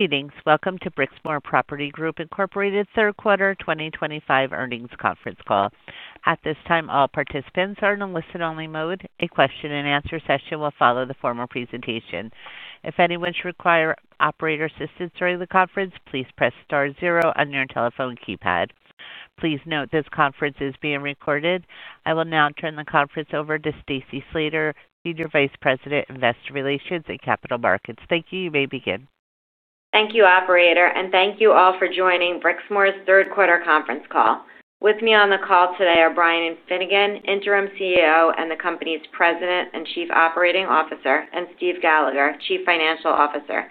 Evenings. Welcome to Brixmor Property Group Incorporated's third quarter 2025 earnings conference call. At this time, all participants are in a listen-only mode. A question-and-answer session will follow the formal presentation. If anyone should require operator assistance during the conference, please press star zero on your telephone keypad. Please note this conference is being recorded. I will now turn the conference over to Stacy Slater, Senior Vice President, Investor Relations at Capital Markets. Thank you. You may begin. Thank you, operator, and thank you all for joining Brixmor's third quarter conference call. With me on the call today are Brian Finnegan, Interim CEO and the company's President and Chief Operating Officer, and Steve Gallagher, Chief Financial Officer.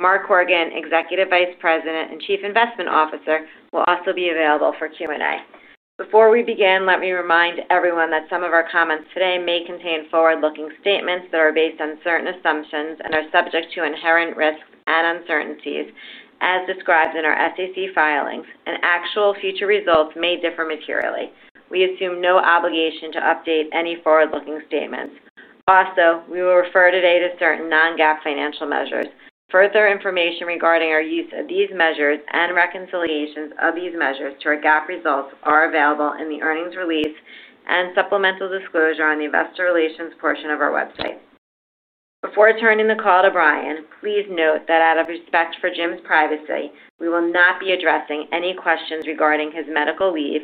Mark Horgan, Executive Vice President and Chief Investment Officer, will also be available for Q&A. Before we begin, let me remind everyone that some of our comments today may contain forward-looking statements that are based on certain assumptions and are subject to inherent risks and uncertainties. As described in our SEC filings, an actual future result may differ materially. We assume no obligation to update any forward-looking statements. Also, we will refer today to certain non-GAAP financial measures. Further information regarding our use of these measures and reconciliations of these measures to our GAAP results are available in the earnings release and supplemental disclosure on the Investor Relations portion of our website. Before turning the call to Brian, please note that out of respect for Jim's privacy, we will not be addressing any questions regarding his medical leave,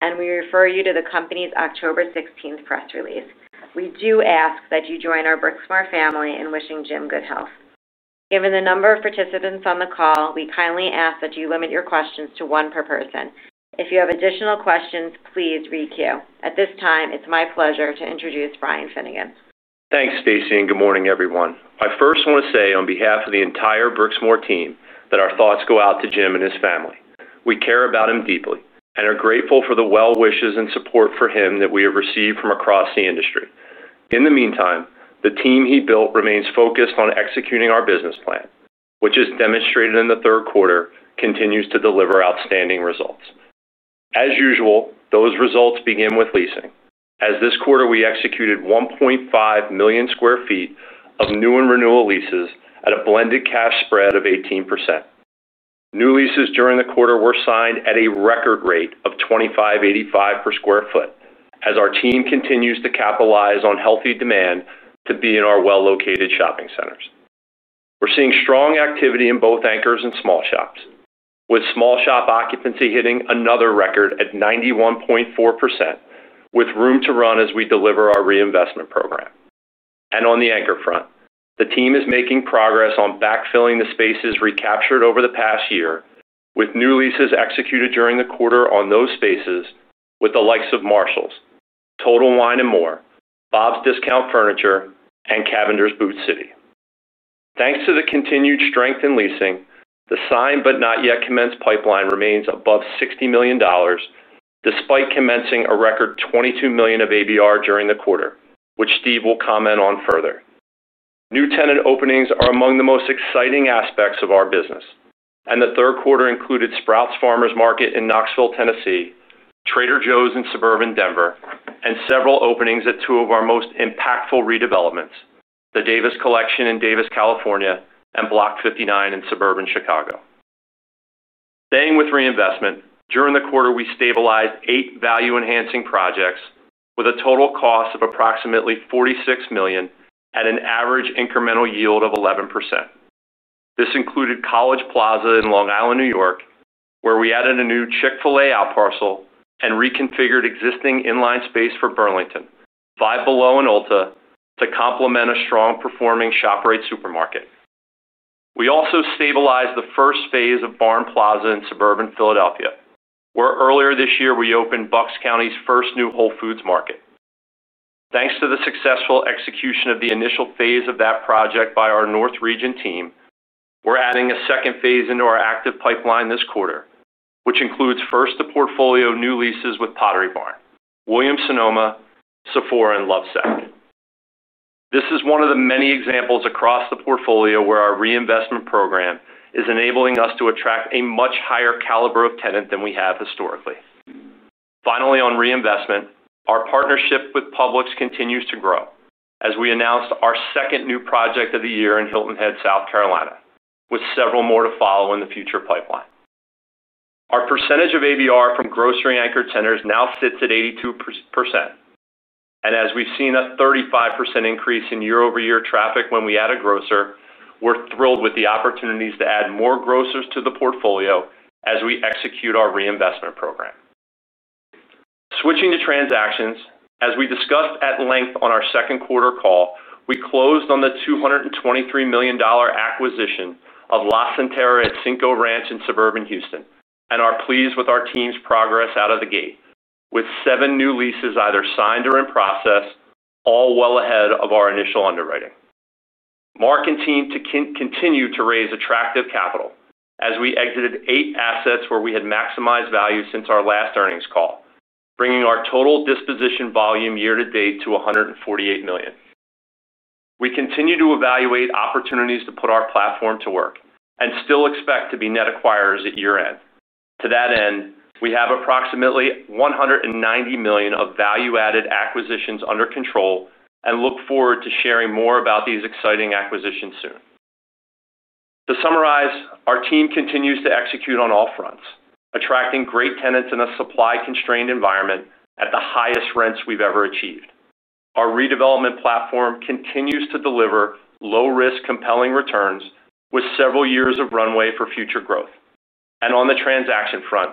and we refer you to the company's October 16th press release. We do ask that you join our Brixmor family in wishing Jim good health. Given the number of participants on the call, we kindly ask that you limit your questions to one per person. If you have additional questions, please re-queue. At this time, it's my pleasure to introduce Brian Finnegan. Thanks, Stacy, and good morning, everyone. I first want to say on behalf of the entire Brixmor team that our thoughts go out to Jim and his family. We care about him deeply and are grateful for the well-wishes and support for him that we have received from across the industry. In the meantime, the team he built remains focused on executing our business plan, which, as demonstrated in the third quarter, continues to deliver outstanding results. As usual, those results begin with leasing. This quarter, we executed 1.5 million sq ft of new and renewal leases at a blended cash spread of 18%. New leases during the quarter were signed at a record rate of $2,585 per square foot, as our team continues to capitalize on healthy demand to be in our well-located shopping centers. We are seeing strong activity in both anchors and small shops, with small shop occupancy hitting another record at 91.4%, with room to run as we deliver our reinvestment program. On the anchor front, the team is making progress on backfilling the spaces recaptured over the past year, with new leases executed during the quarter on those spaces, with the likes of Marshalls, Total Wine & More, Bob’s Discount Furniture, and Cavender’s Boot City. Thanks to the continued strength in leasing, the signed but not yet commenced pipeline remains above $60 million, despite commencing a record $22 million of ABR during the quarter, which Steve will comment on further. New tenant openings are among the most exciting aspects of our business, and the third quarter included Sprouts Farmers Market in Knoxville, Tennessee, Trader Joe’s in suburban Denver, and several openings at two of our most impactful redevelopments: the Davis Collection in Davis, California, and Block 59 in suburban Chicago. Staying with reinvestment, during the quarter, we stabilized eight value-enhancing projects with a total cost of approximately $46 million at an average incremental yield of 11%. This included College Plaza in Long Island, New York, where we added a new Chick-fil-A out parcel and reconfigured existing inline space for Burlington, Five Below, and Ulta, to complement a strong-performing ShopRite supermarket. We also stabilized the first phase of Barn Plaza in suburban Philadelphia, where earlier this year we opened Bucks County’s first new Whole Foods market. Thanks to the successful execution of the initial phase of that project by our North Region team, we're adding a second phase into our active pipeline this quarter, which includes first the portfolio new leases with Pottery Barn, Williams-Sonoma, Sephora, and Lovesac. This is one of the many examples across the portfolio where our reinvestment program is enabling us to attract a much higher caliber of tenant than we have historically. Finally, on reinvestment, our partnership with Publix continues to grow, as we announced our second new project of the year in Hilton Head, South Carolina, with several more to follow in the future pipeline. Our percentage of ABR from grocery anchor tenants now sits at 82%, and as we've seen a 35% increase in year-over-year traffic when we add a grocer, we're thrilled with the opportunities to add more grocers to the portfolio as we execute our reinvestment program. Switching to transactions, as we discussed at length on our second quarter call, we closed on the $223 million acquisition of LaCenterra at Cinco Ranch in suburban Houston and are pleased with our team's progress out of the gate, with seven new leases either signed or in process, all well ahead of our initial underwriting. Mark and team continue to raise attractive capital as we exited eight assets where we had maximized value since our last earnings call, bringing our total disposition volume year to date to $148 million. We continue to evaluate opportunities to put our platform to work and still expect to be net acquirers at year-end. To that end, we have approximately $190 million of value-add acquisitions under control and look forward to sharing more about these exciting acquisitions soon. To summarize, our team continues to execute on all fronts, attracting great tenants in a supply-constrained environment at the highest rents we've ever achieved. Our redevelopment platform continues to deliver low-risk, compelling returns with several years of runway for future growth. On the transaction front,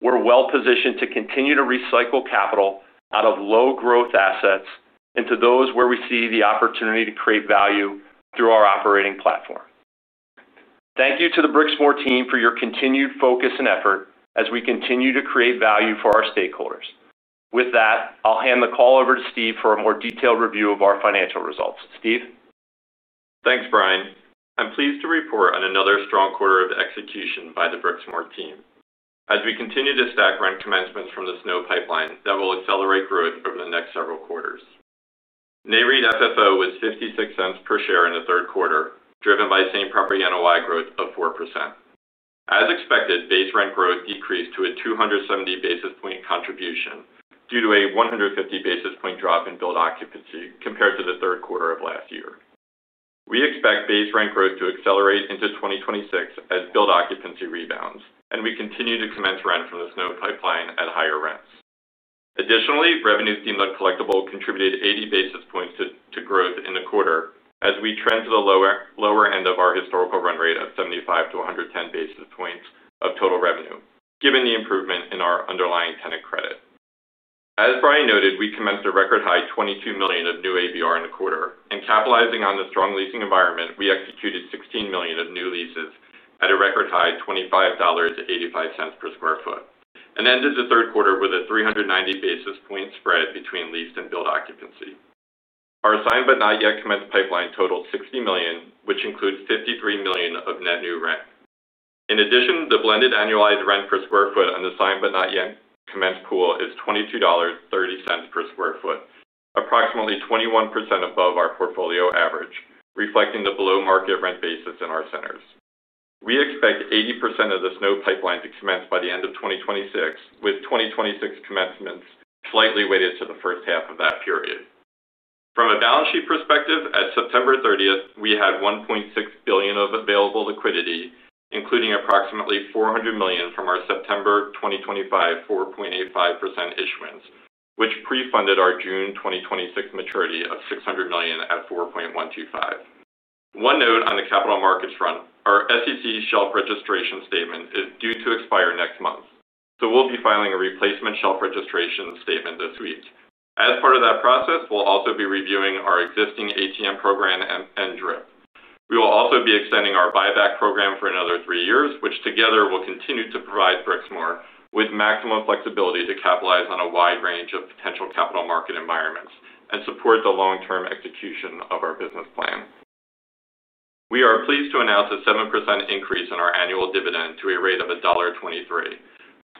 we're well-positioned to continue to recycle capital out of low-growth assets into those where we see the opportunity to create value through our operating platform. Thank you to the Brixmor team for your continued focus and effort as we continue to create value for our stakeholders. With that, I'll hand the call over to Steve for a more detailed review of our financial results. Steve? Thanks, Brian. I'm pleased to report on another strong quarter of execution by the Brixmor team, as we continue to stack rent commencements from the signed but not yet commenced rent pipeline that will accelerate growth over the next several quarters. NAREIT FFO was $0.56 per share in the third quarter, driven by same-property NOI growth of 4%. As expected, base rent growth decreased to a 270 basis point contribution due to a 150 basis point drop in billed occupancy compared to the third quarter of last year. We expect base rent growth to accelerate into 2026 as billed occupancy rebounds, and we continue to commence rent from the signed but not yet commenced rent pipeline at higher rents. Additionally, revenue streamed on collectible contributed 80 basis points to growth in the quarter, as we trend to the lower end of our historical run rate of 75-110 basis points of total revenue, given the improvement in our underlying tenant credit. As Brian noted, we commenced a record high $22 million of new ABR in the quarter, and capitalizing on the strong leasing environment, we executed $16 million of new leases at a record high $25.85 per sq ft and ended the third quarter with a 390 basis point spread between leased and billed occupancy. Our signed but not yet commenced rent pipeline totaled $60 million, which includes $53 million of net new rent. In addition, the blended annualized rent per square foot on the signed but not yet commenced pool is $22.30 per square foot, approximately 21% above our portfolio average, reflecting the below-market rent basis in our centers. We expect 80% of the signed but not yet commenced rent pipeline to commence by the end of 2026, with 2026 commencements slightly weighted to the first half of that period. From a balance sheet perspective, at September 30th, we had $1.6 billion of available liquidity, including approximately $400 million from our September 2025 4.85% issuance, which pre-funded our June 2026 maturity of $600 million at 4.125%. One note on the capital markets front, our SEC shelf registration statement is due to expire next month, so we'll be filing a replacement shelf registration statement this week. As part of that process, we'll also be reviewing our existing ATM program and DRIP. We will also be extending our buyback program for another three years, which together will continue to provide Brixmor with maximum flexibility to capitalize on a wide range of potential capital market environments and support the long-term execution of our business plan. We are pleased to announce a 7% increase in our annual dividend to a rate of $1.23.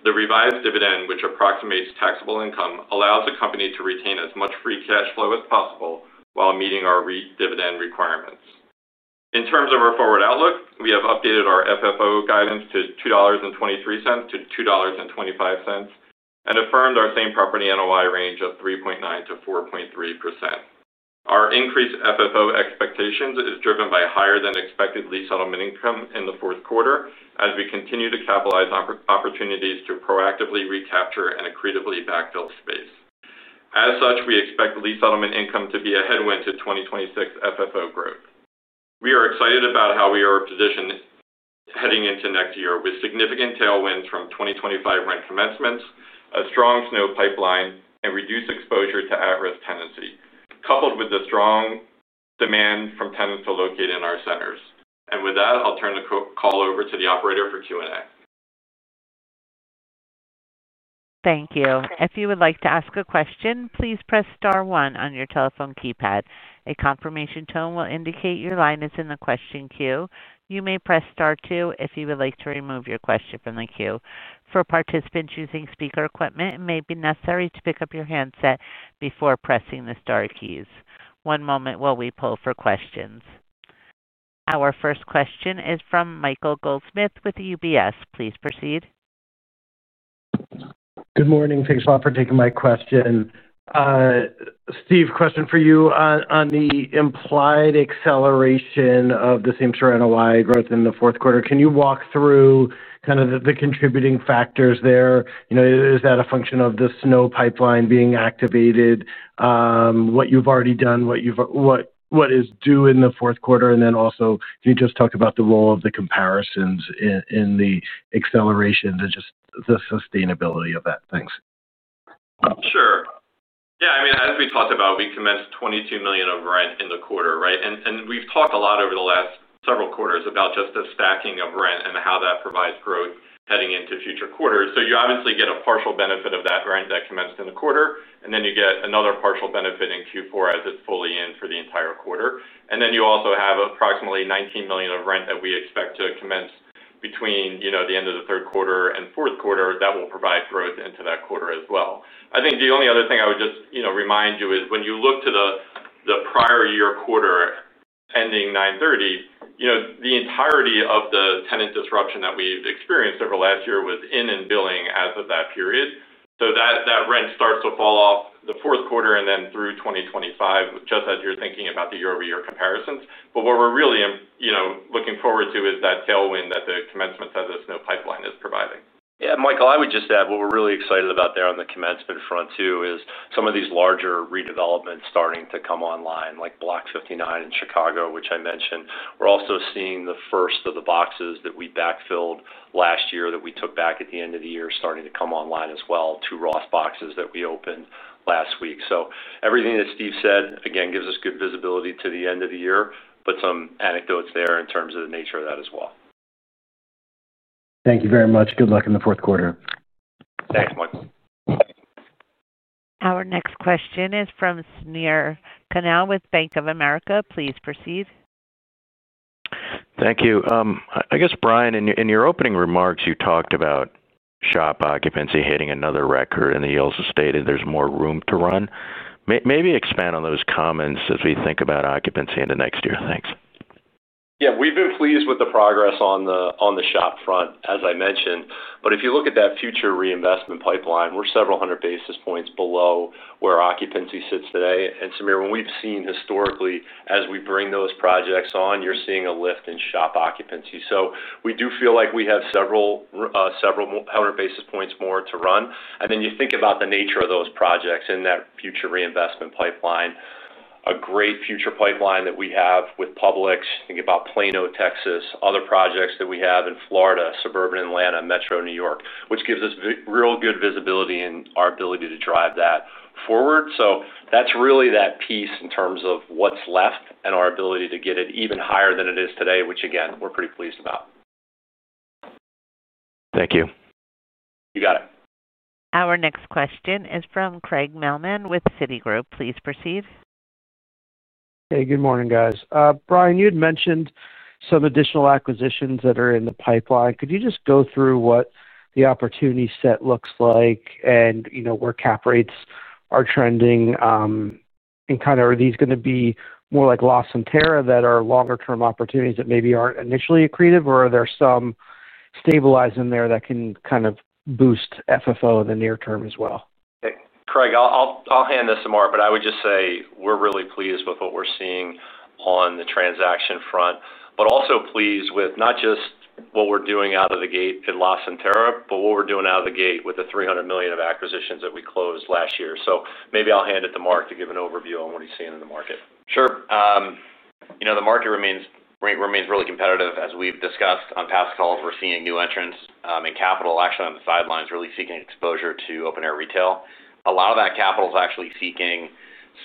The revised dividend, which approximates taxable income, allows the company to retain as much free cash flow as possible while meeting our REIT dividend requirements. In terms of our forward outlook, we have updated our FFO guidance to $2.23-$2.25 and affirmed our same-property NOI range of 3.9%-4.3%. Our increased FFO expectations are driven by higher-than-expected lease settlement income in the fourth quarter, as we continue to capitalize on opportunities to proactively recapture and accretively backfill space. As such, we expect lease settlement income to be a headwind to 2026 FFO growth. We are excited about how we are positioned heading into next year, with significant tailwinds from 2025 rent commencements, a strong signed but not yet commenced rent pipeline, and reduced exposure to at-risk tenancy, coupled with the strong demand from tenants to locate in our centers. I'll turn the call over to the operator for Q&A. Thank you. If you would like to ask a question, please press star one on your telephone keypad. A confirmation tone will indicate your line is in the question queue. You may press star two if you would like to remove your question from the queue. For participants using speaker equipment, it may be necessary to pick up your handset before pressing the star keys. One moment while we pull for questions. Our first question is from Michael Goldsmith with UBS Investment Bank. Please proceed. Good morning. Thanks a lot for taking my question. Steve, question for you on the implied acceleration of the same-store NOI growth in the fourth quarter. Can you walk through kind of the contributing factors there? Is that a function of the SNOC pipeline being activated, what you've already done, what is due in the fourth quarter? Also, can you just talk about the role of the comparisons in the accelerations and just the sustainability of that? Thanks. Sure. Yeah, I mean, as we talked about, we commenced $22 million of rent in the quarter, right? We've talked a lot over the last several quarters about just the stacking of rent and how that provides growth heading into future quarters. You obviously get a partial benefit of that rent that commenced in the quarter, and then you get another partial benefit in Q4 as it's fully in for the entire quarter. You also have approximately $19 million of rent that we expect to commence between the end of the third quarter and fourth quarter that will provide growth into that quarter as well. I think the only other thing I would just remind you is when you look to the prior year quarter ending 9/30, the entirety of the tenant disruption that we've experienced over the last year was in billing as of that period. That rent starts to fall off the fourth quarter and then through 2025, just as you're thinking about the year-over-year comparisons. What we're really looking forward to is that tailwind that the commencements of the snow pipeline is providing. Yeah, Michael, I would just add what we're really excited about there on the commencement front, too, is some of these larger redevelopments starting to come online, like Block 59 in Chicago, which I mentioned. We're also seeing the first of the boxes that we backfilled last year that we took back at the end of the year starting to come online as well, two Ross boxes that we opened last week. Everything that Steve said, again, gives us good visibility to the end of the year, but some anecdotes there in terms of the nature of that as well. Thank you very much. Good luck in the fourth quarter. Thanks, Michael. Our next question is from Samir Khanal with Bank of America. Please proceed. Thank you. I guess, Brian, in your opening remarks, you talked about shop occupancy hitting another record, and you also stated there's more room to run. Maybe expand on those comments as we think about occupancy into next year. Thanks. Yeah, we've been pleased with the progress on the shop front, as I mentioned. If you look at that future reinvestment pipeline, we're several hundred basis points below where occupancy sits today. When we've seen historically, as we bring those projects on, you're seeing a lift in shop occupancy. We do feel like we have several hundred basis points more to run. You think about the nature of those projects in that future reinvestment pipeline, a great future pipeline that we have with Publix, thinking about Plano, Texas, other projects that we have in Florida, suburban Atlanta, metro New York, which gives us real good visibility in our ability to drive that forward. That's really that piece in terms of what's left and our ability to get it even higher than it is today, which again, we're pretty pleased about. Thank you. You got it. Our next question is from Craig Mailman with Citigroup. Please proceed. Hey, good morning, guys. Brian, you had mentioned some additional acquisitions that are in the pipeline. Could you just go through what the opportunity set looks like and, you know, where cap rates are trending? Are these going to be more like LaCenterra at Cinco Ranch that are longer-term opportunities that maybe aren't initially accretive, or are there some stabilized in there that can kind of boost FFO in the near term as well? Okay, Craig, I'll hand this to Mark, but I would just say we're really pleased with what we're seeing on the transaction front, also pleased with not just what we're doing out of the gate in LaCenterra, but what we're doing out of the gate with the $300 million of acquisitions that we closed last year. Maybe I'll hand it to Mark to give an overview on what he's seeing in the market. Sure. You know, the market remains really competitive. As we've discussed on past calls, we're seeing new entrants in capital, actually on the sidelines, really seeking exposure to open-air retail. A lot of that capital is actually seeking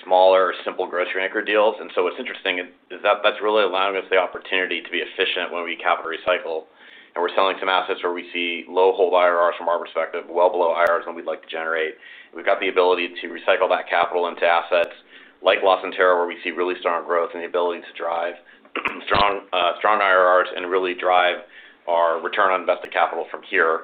smaller, simple grocery anchor deals. What's interesting is that that's really allowing us the opportunity to be efficient when we capital recycle. We're selling some assets where we see low hold IRRs from our perspective, well below IRRs than we'd like to generate. We've got the ability to recycle that capital into assets like LaCenterra, where we see really strong growth and the ability to drive strong IRRs and really drive our return on invested capital from here.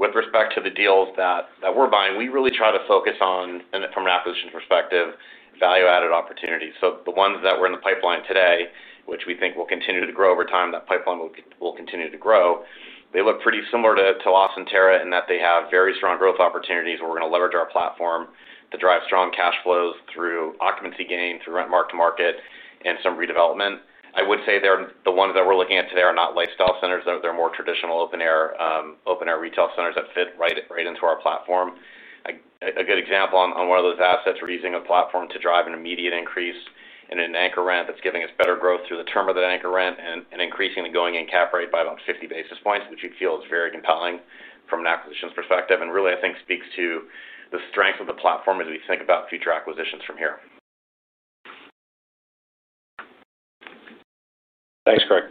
With respect to the deals that we're buying, we really try to focus on, from an acquisition perspective, value-add opportunities. The ones that are in the pipeline today, which we think will continue to grow over time, that pipeline will continue to grow. They look pretty similar to LaCenterra in that they have very strong growth opportunities where we're going to leverage our platform to drive strong cash flows through occupancy gain, through rent mark-to-market, and some redevelopment. I would say the ones that we're looking at today are not lifestyle centers. They're more traditional open-air retail centers that fit right into our platform. A good example on one of those assets, we're using our platform to drive an immediate increase in an anchor rent that's giving us better growth through the term of that anchor rent and increasing the going-in cap rate by about 50 basis points, which you'd feel is very compelling from an acquisition perspective. I think it speaks to the strength of the platform as we think about future acquisitions from here. Thanks, Craig.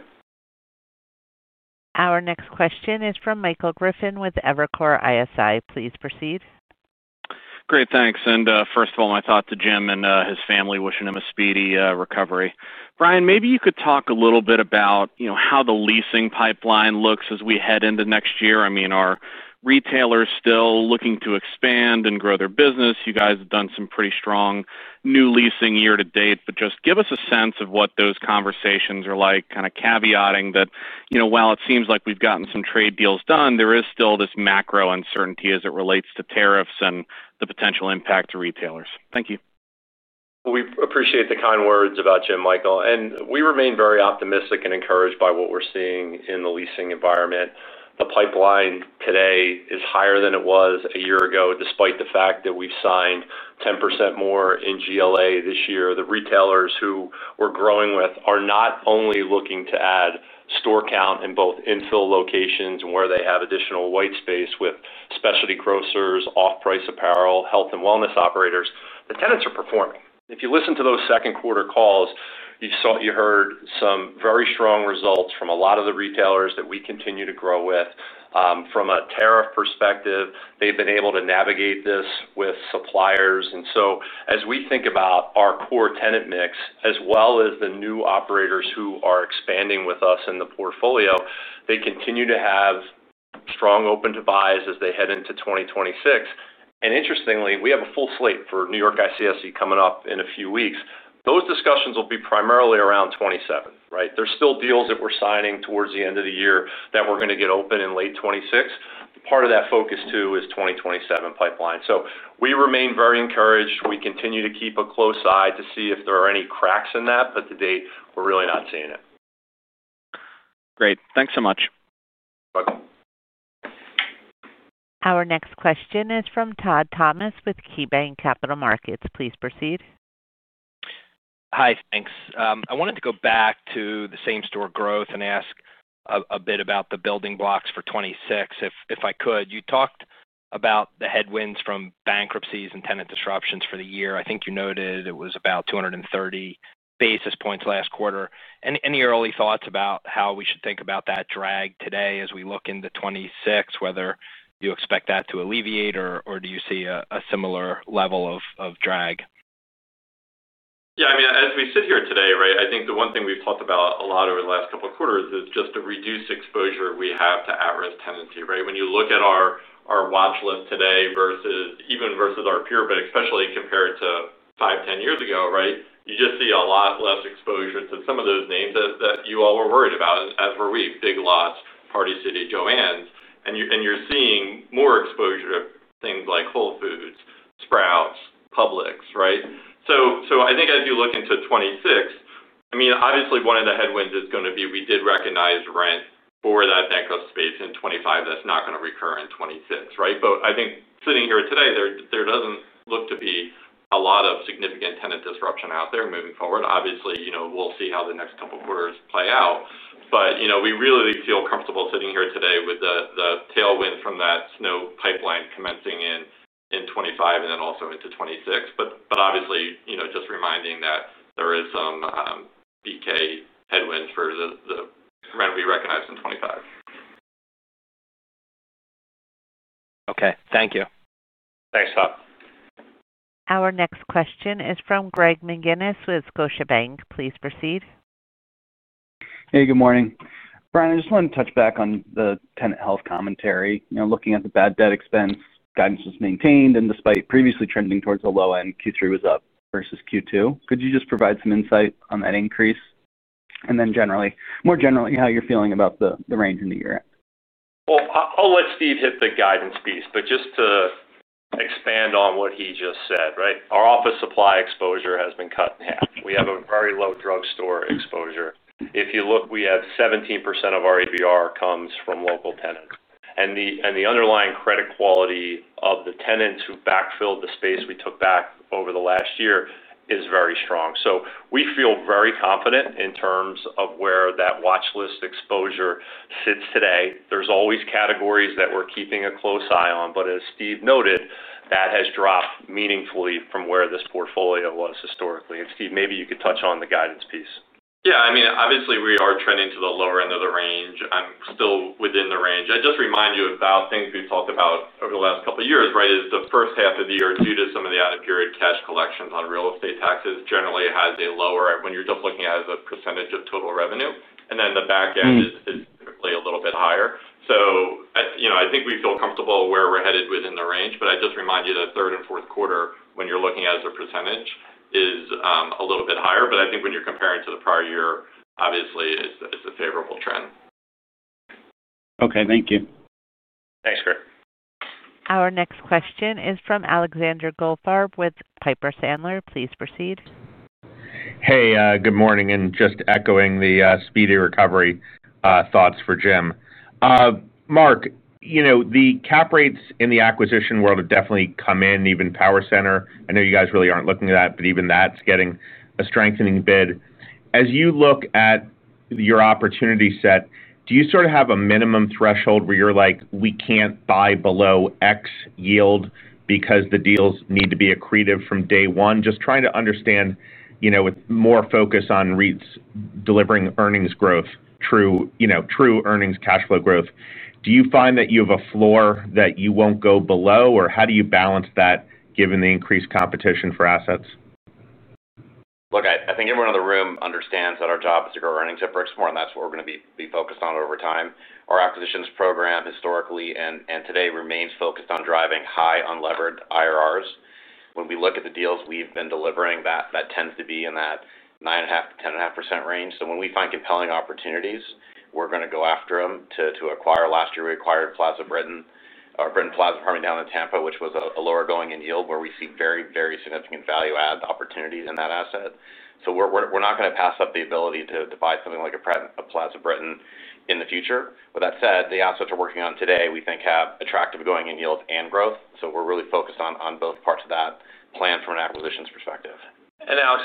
Our next question is from Michael Griffin with Evercore ISI. Please proceed. Great, thanks. First of all, my thoughts to Jim and his family, wishing him a speedy recovery. Brian, maybe you could talk a little bit about how the leasing pipeline looks as we head into next year. I mean, are retailers still looking to expand and grow their business? You guys have done some pretty strong new leasing year to date, but just give us a sense of what those conversations are like, kind of caveating that, you know, while it seems like we've gotten some trade deals done, there is still this macro uncertainty as it relates to tariffs and the potential impact to retailers. Thank you. We appreciate the kind words about you, Michael. We remain very optimistic and encouraged by what we're seeing in the leasing environment. The pipeline today is higher than it was a year ago, despite the fact that we've signed 10% more in GLA this year. The retailers who we're growing with are not only looking to add store count in both infill locations and where they have additional white space with specialty grocers, off-price apparel, health and wellness operators. The tenants are performing. If you listen to those second quarter calls, you saw you heard some very strong results from a lot of the retailers that we continue to grow with. From a tariff perspective, they've been able to navigate this with suppliers. As we think about our core tenant mix, as well as the new operators who are expanding with us in the portfolio, they continue to have strong open to buys as they head into 2026. Interestingly, we have a full slate for New York ICSC coming up in a few weeks. Those discussions will be primarily around 2027, right? There's still deals that we're signing towards the end of the year that we're going to get open in late 2026. Part of that focus, too, is 2027 pipeline. We remain very encouraged. We continue to keep a close eye to see if there are any cracks in that, but to date, we're really not seeing it. Great, thanks so much. Bye. Our next question is from Todd Thomas with KeyBanc Capital Markets. Please proceed. Hi, thanks. I wanted to go back to the same-store growth and ask a bit about the building blocks for 2026, if I could. You talked about the headwinds from bankruptcies and tenant disruptions for the year. I think you noted it was about 230 basis points last quarter. Any early thoughts about how we should think about that drag today as we look into 2026, whether you expect that to alleviate or do you see a similar level of drag? Yeah, I mean, as we sit here today, I think the one thing we've talked about a lot over the last couple of quarters is just to reduce exposure we have to at-risk tenancy, right? When you look at our watchlist today versus even versus our peer, but especially compared to five, ten years ago, you just see a lot less exposure to some of those names that you all were worried about, as were we, Big Lots, Party City, Joann's. You're seeing more exposure to things like Whole Foods, Sprouts, Publix, right? I think as you look into 2026, obviously, one of the headwinds is going to be we did recognize rent for that bankruptcy space in 2025. That's not going to recur in 2026, right? I think sitting here today, there doesn't look to be a lot of significant tenant disruption out there moving forward. Obviously, we'll see how the next couple of quarters play out. We really feel comfortable sitting here today with the tailwind from that snow pipeline commencing in 2025 and then also into 2026. Obviously, just reminding that there is some BK headwinds for the rent we recognize in 2025. Okay, thank you. Thanks, Todd. Our next question is from Greg McGinniss with Scotiabank. Please proceed. Hey, good morning. Brian, I just wanted to touch back on the tenant health commentary. You know, looking at the bad debt expense, guidance was maintained, and despite previously trending towards the low end, Q3 was up versus Q2. Could you just provide some insight on that increase? Then generally, more generally, how you're feeling about the range in the year end? I'll let Steve hit the guidance piece, but just to expand on what he just said, our office supply exposure has been cut in half. We have a very low drugstore exposure. If you look, we have 17% of our ABR comes from local tenants. The underlying credit quality of the tenants who backfilled the space we took back over the last year is very strong. We feel very confident in terms of where that watchlist exposure sits today. There are always categories that we're keeping a close eye on, but as Steve noted, that has dropped meaningfully from where this portfolio was historically. Steve, maybe you could touch on the guidance piece. Yeah, I mean, obviously, we are trending to the lower end of the range. I'm still within the range. I'd just remind you about things we've talked about over the last couple of years, the first half of the year, due to some of the out-of-period cash collections on real estate taxes, generally has a lower, when you're just looking at it as a percentage of total revenue. The back end is typically a little bit higher. I think we feel comfortable where we're headed within the range, but I'd just remind you that third and fourth quarter, when you're looking at it as a percentage, is a little bit higher. I think when you're comparing to the prior year, obviously, it's a favorable trend. Okay, thank you. Thanks, Greg. Our next question is from Alexander Goldfarb with Piper Sandler. Please proceed. Hey, good morning. Just echoing the speedy recovery thoughts for Jim. Mark, you know, the cap rates in the acquisition world have definitely come in, even Power Center. I know you guys really aren't looking at that, but even that's getting a strengthening bid. As you look at your opportunity set, do you sort of have a minimum threshold where you're like, we can't buy below X yield because the deals need to be accretive from day one? Just trying to understand, you know, with more focus on REITs delivering earnings growth, true, you know, true earnings cash flow growth. Do you find that you have a floor that you won't go below, or how do you balance that given the increased competition for assets? Look, I think everyone in the room understands that our job is to grow earnings at Brixmor, and that's what we're going to be focused on over time. Our acquisitions program historically and today remains focused on driving high unlevered IRRs. When we look at the deals we've been delivering, that tends to be in that 9.5%-10.5% range. When we find compelling opportunities, we're going to go after them to acquire. Last year, we acquired Britain Plaza, pardon me, down in Tampa, which was a lower going-in yield where we see very, very significant value-add opportunities in that asset. We're not going to pass up the ability to buy something like a Britain Plaza in the future. With that said, the assets we're working on today, we think have attractive going-in yields and growth. We're really focused on both parts of that plan from an acquisitions perspective.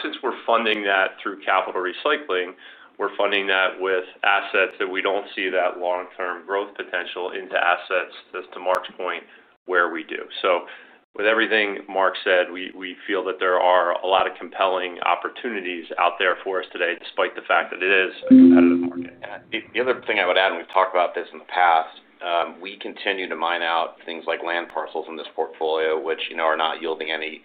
Since we're funding that through capital recycling, we're funding that with assets that we don't see that long-term growth potential into assets, just to Mark's point, where we do. With everything Mark said, we feel that there are a lot of compelling opportunities out there for us today, despite the fact that it is a competitive market. I think the other thing I would add, and we've talked about this in the past, is we continue to mine out things like land parcels in this portfolio, which, you know, are not yielding any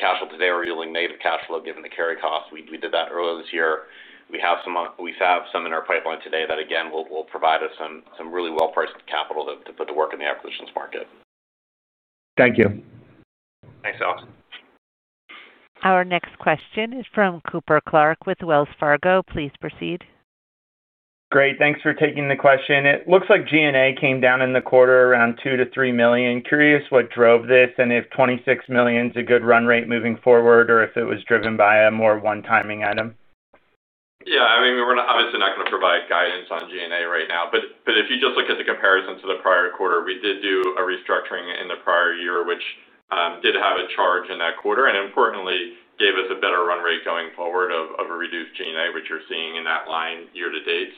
cash flow today or yielding negative cash flow given the carry cost. We did that earlier this year. We have some in our pipeline today that, again, will provide us some really well-priced capital to put the work in the acquisitions market. Thank you. Thanks, Alex. Our next question is from Cooper Clark with Wells Fargo. Please proceed. Great, thanks for taking the question. It looks like G&A came down in the quarter around $2 million-$3 million. Curious what drove this and if $26 million is a good run rate moving forward or if it was driven by a more one-time item. Yeah, I mean, we're obviously not going to provide guidance on G&A right now. If you just look at the comparison to the prior quarter, we did do a restructuring in the prior year, which did have a charge in that quarter and importantly gave us a better run rate going forward of a reduced G&A, which you're seeing in that line year to date.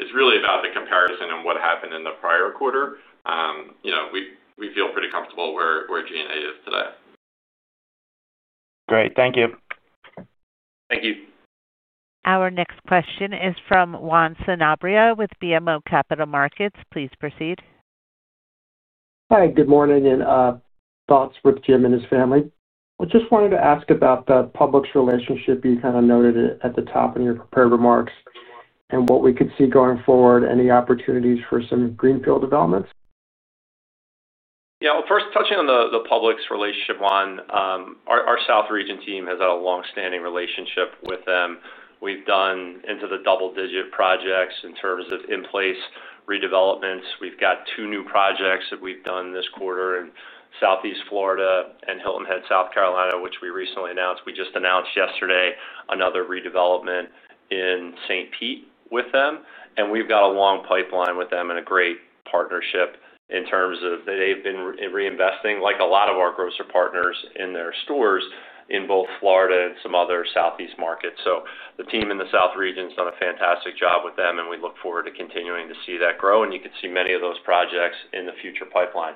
It's really about the comparison and what happened in the prior quarter. We feel pretty comfortable where G&A is today. Great, thank you. Thank you. Our next question is from Juan Sanabria with BMO Capital Markets. Please proceed. Hi, good morning and good thoughts with Jim and his family. I just wanted to ask about the Publix relationship you kind of noted at the top in your prepared remarks, and what we could see going forward, any opportunities for some greenfield developments? Yeah, first touching on the Publix relationship, Juan, our South Region team has had a longstanding relationship with them. We've done into the double-digit projects in terms of in-place redevelopments. We've got two new projects that we've done this quarter in Southeast Florida and Hilton Head, South Carolina, which we recently announced. We just announced yesterday another redevelopment in St. Pete with them. We've got a long pipeline with them and a great partnership in terms of they've been reinvesting, like a lot of our grocery partners, in their stores in both Florida and some other Southeast markets. The team in the South Region's done a fantastic job with them, and we look forward to continuing to see that grow. You can see many of those projects in the future pipeline.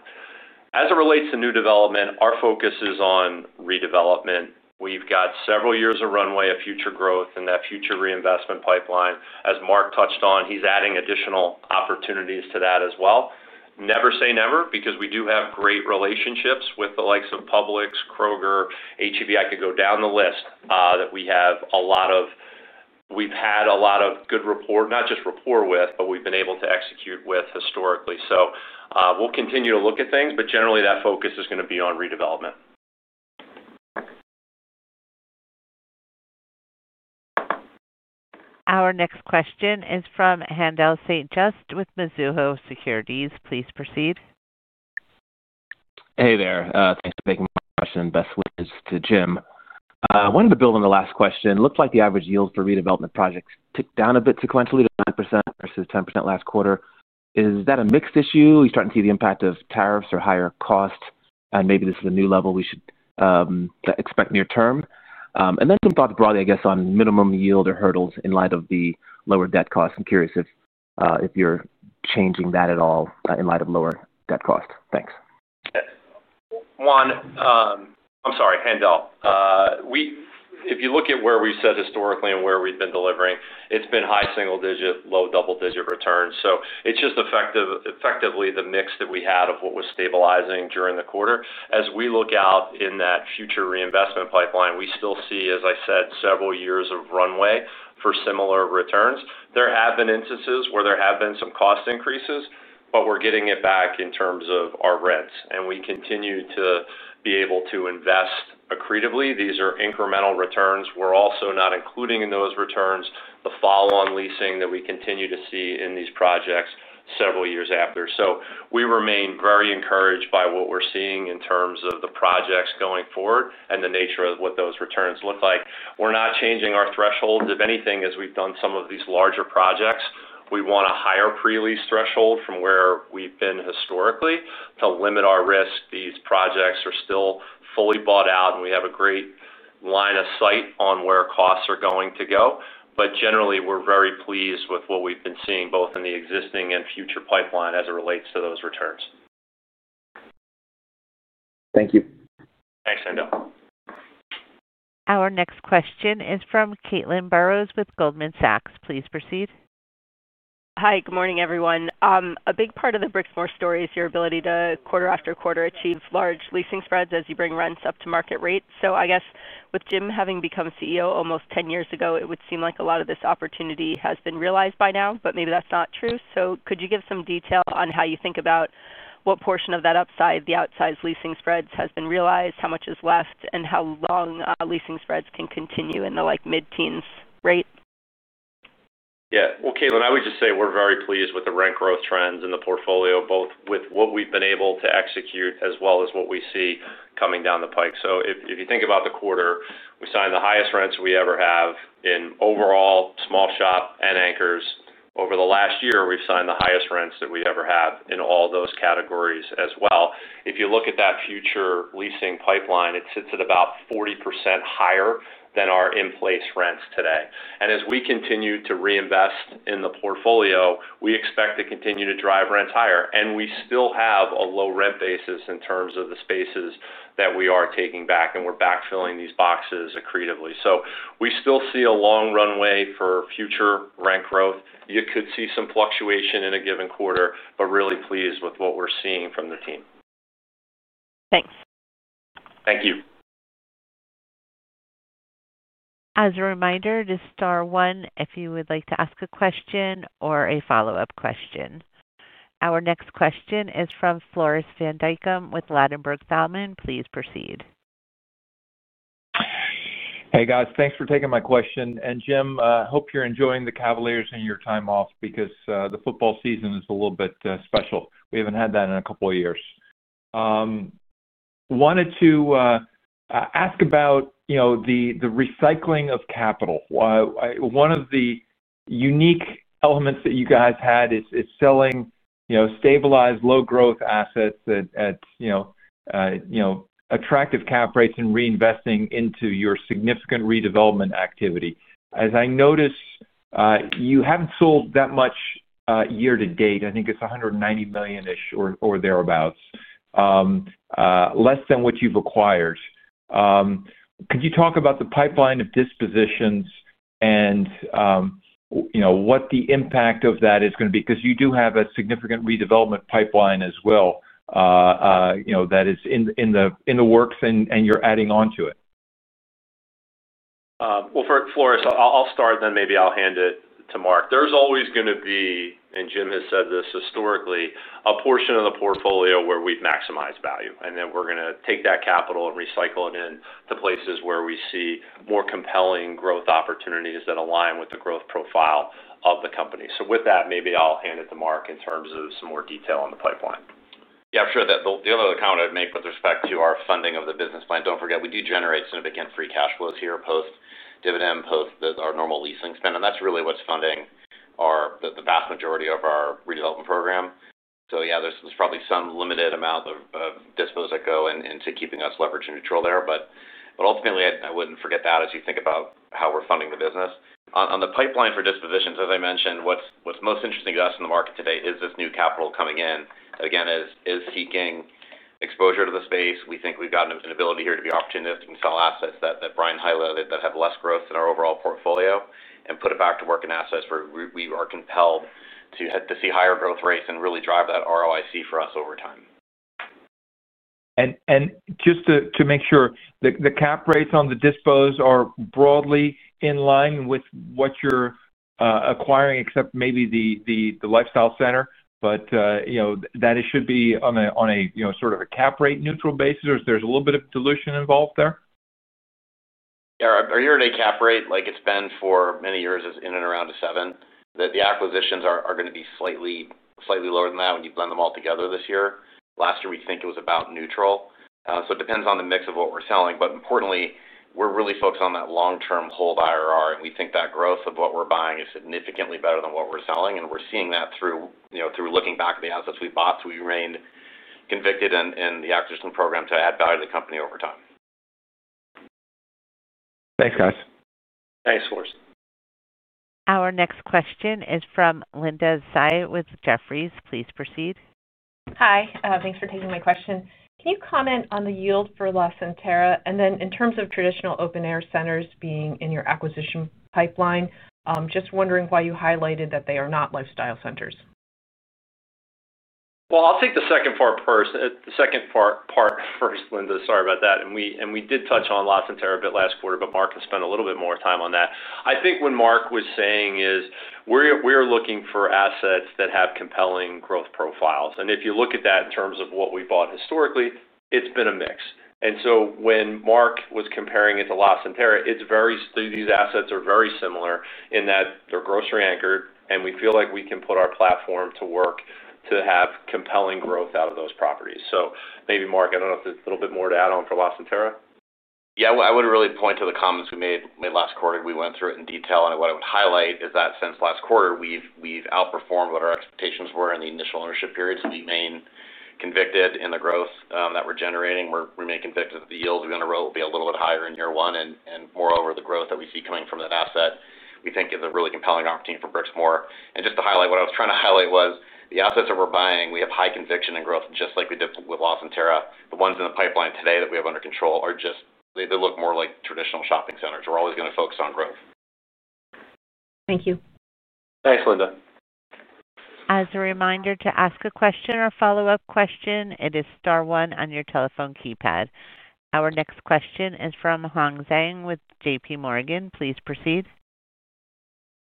As it relates to new development, our focus is on redevelopment. We've got several years of runway of future growth in that future reinvestment pipeline. As Mark touched on, he's adding additional opportunities to that as well. Never say never because we do have great relationships with the likes of Publix, Kroger, H-E-B. I could go down the list that we have a lot of, we've had a lot of good rapport, not just rapport with, but we've been able to execute with historically. We'll continue to look at things, but generally, that focus is going to be on redevelopment. Our next question is from Haendel St. Juste with Mizuho Securities. Please proceed. Hey there. Thanks for taking my question. Best wishes to Jim. I wanted to build on the last question. Looks like the average yield for redevelopment projects ticked down a bit sequentially to 9% versus 10% last quarter. Is that a mix issue? Are you starting to see the impact of tariffs or higher costs? Maybe this is a new level we should expect near term. Some thoughts broadly, I guess, on minimum yield or hurdles in light of the lower debt costs. I'm curious if you're changing that at all in light of lower debt costs. Thanks. Juan, I'm sorry, Haendel. If you look at where we've said historically and where we've been delivering, it's been high single-digit, low double-digit returns. It's just effectively the mix that we had of what was stabilizing during the quarter. As we look out in that future reinvestment pipeline, we still see, as I said, several years of runway for similar returns. There have been instances where there have been some cost increases, but we're getting it back in terms of our rents, and we continue to be able to invest accretively. These are incremental returns. We're also not including in those returns the follow-on leasing that we continue to see in these projects several years after. We remain very encouraged by what we're seeing in terms of the projects going forward and the nature of what those returns look like. We're not changing our thresholds. If anything, as we've done some of these larger projects, we want a higher pre-lease threshold from where we've been historically to limit our risk. These projects are still fully bought out, and we have a great line of sight on where costs are going to go. Generally, we're very pleased with what we've been seeing both in the existing and future pipeline as it relates to those returns. Thank you. Thanks, Handel. Our next question is from Caitlin Burrows with Goldman Sachs. Please proceed. Hi, good morning, everyone. A big part of the Brixmor story is your ability to quarter after quarter achieve large leasing spreads as you bring rents up to market rates. I guess with Jim having become CEO almost 10 years ago, it would seem like a lot of this opportunity has been realized by now, but maybe that's not true. Could you give some detail on how you think about what portion of that upside, the outside leasing spreads has been realized, how much is left, and how long leasing spreads can continue in the mid-teens rate? Caitlin, I would just say we're very pleased with the rent growth trends in the portfolio, both with what we've been able to execute as well as what we see coming down the pike. If you think about the quarter, we signed the highest rents we ever have in overall small shop and anchors. Over the last year, we've signed the highest rents that we ever have in all those categories as well. If you look at that future leasing pipeline, it sits at about 40% higher than our in-place rents today. As we continue to reinvest in the portfolio, we expect to continue to drive rents higher. We still have a low rent basis in terms of the spaces that we are taking back, and we're backfilling these boxes accretively. We still see a long runway for future rent growth. You could see some fluctuation in a given quarter, but really pleased with what we're seeing from the team. Thanks. Thank you. As a reminder, just star one if you would like to ask a question or a follow-up question. Our next question is from Floris Van Dijkum with Ladenburg Thalmann. Please proceed. Hey guys, thanks for taking my question. Jim, I hope you're enjoying the Cavaliers in your time off because the football season is a little bit special. We haven't had that in a couple of years. I wanted to ask about the recycling of capital. One of the unique elements that you guys had is selling stabilized, low-growth assets at attractive cap rates and reinvesting into your significant redevelopment activity. As I noticed, you haven't sold that much year to date. I think it's $190 million-ish or thereabouts, less than what you've acquired. Could you talk about the pipeline of dispositions and what the impact of that is going to be? You do have a significant redevelopment pipeline as well that is in the works and you're adding onto it. For Floris, I'll start and then maybe I'll hand it to Mark. There's always going to be, and Jim has said this historically, a portion of the portfolio where we've maximized value. We're going to take that capital and recycle it into places where we see more compelling growth opportunities that align with the growth profile of the company. With that, maybe I'll hand it to Mark in terms of some more detail on the pipeline. Yeah, I'm sure that the other account I'd make with respect to our funding of the business plan, don't forget we do generate significant free cash flows here post-dividend, post-our normal leasing spend. That's really what's funding the vast majority of our redevelopment program. There's probably some limited amount of disposition going into keeping us leveraged and neutral there. Ultimately, I wouldn't forget that as you think about how we're funding the business. On the pipeline for dispositions, as I mentioned, what's most interesting to us in the market today is this new capital coming in that, again, is seeking exposure to the space. We think we've got an ability here to be opportunistic and sell assets that Brian highlighted that have less growth in our overall portfolio and put it back to work in assets where we are compelled to see higher growth rates and really drive that ROIC for us over time. Just to make sure, the cap rates on the dispositions are broadly in line with what you're acquiring, except maybe the lifestyle center. You know that it should be on a sort of a cap rate neutral basis, or is there a little bit of dilution involved there? Our year-to-date cap rate, like it's been for many years, is in and around a seven. The acquisitions are going to be slightly lower than that when you blend them all together this year. Last year, we think it was about neutral. It depends on the mix of what we're selling. Importantly, we're really focused on that long-term hold IRR, and we think that growth of what we're buying is significantly better than what we're selling. We're seeing that through looking back at the assets we bought, so we remained convicted in the acquisition program to add value to the company over time. Thanks, guys. Thanks, Floris. Our next question is from Linda Tsai with Jefferies. Please proceed. Hi, thanks for taking my question. Can you comment on the yield for LaCenterra? In terms of traditional open-air centers being in your acquisition pipeline, just wondering why you highlighted that they are not lifestyle centers. I'll take the second part first, Linda, sorry about that. We did touch on LaCenterra at Cinco Ranch a bit last quarter, but Mark can spend a little bit more time on that. I think what Mark was saying is we're looking for assets that have compelling growth profiles. If you look at that in terms of what we bought historically, it's been a mix. When Mark was comparing it to LaCenterra at Cinco Ranch, these assets are very similar in that they're grocery anchored, and we feel like we can put our platform to work to have compelling growth out of those properties. Maybe Mark, I don't know if there's a little bit more to add on for LaCenterra at Cinco Ranch. Yeah, I would really point to the comments we made last quarter. We went through it in detail. What I would highlight is that since last quarter, we've outperformed what our expectations were in the initial ownership period. We remain convicted in the growth that we're generating. We remain convicted that the yields we're going to roll will be a little bit higher in year one. Moreover, the growth that we see coming from that asset, we think is a really compelling opportunity for Brixmor. Just to highlight, what I was trying to highlight was the assets that we're buying, we have high conviction in growth, just like we did with LaCenterra. The ones in the pipeline today that we have under control just look more like traditional shopping centers. We're always going to focus on growth. Thank you. Thanks, Linda. As a reminder, to ask a question or follow-up question, it is star one on your telephone keypad. Our next question is from Hong Zhang with JPMorgan. Please proceed.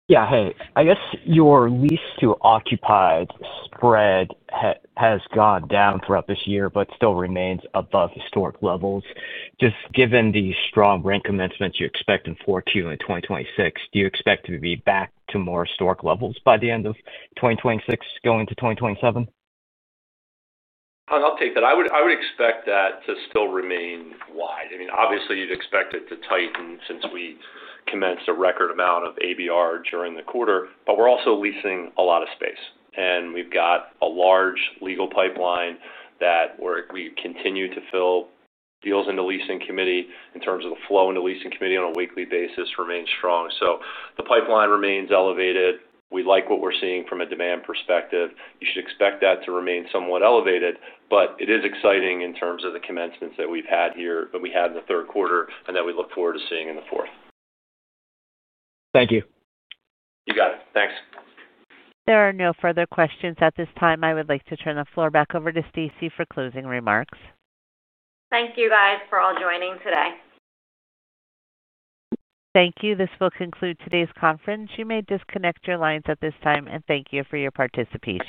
Yeah, hey, I guess your lease to occupied spread has gone down throughout this year, but still remains above historic levels. Just given the strong rent commencements you expect in Q4 and Q2 in 2026, do you expect to be back to more historic levels by the end of 2026, going to 2027? I'll take that. I would expect that to still remain wide. Obviously, you'd expect it to tighten since we commenced a record amount of ABR during the quarter, but we're also leasing a lot of space. We've got a large legal pipeline that we continue to fill. Deals in the leasing committee, in terms of the flow in the leasing committee on a weekly basis, remains strong. The pipeline remains elevated. We like what we're seeing from a demand perspective. You should expect that to remain somewhat elevated, but it is exciting in terms of the commencements that we've had here that we had in the third quarter and that we look forward to seeing in the fourth. Thank you. You got it. Thanks. There are no further questions at this time. I would like to turn the floor back over to Stacy for closing remarks. Thank you, guys, for all joining today. Thank you. This will conclude today's conference. You may disconnect your lines at this time, and thank you for your participation.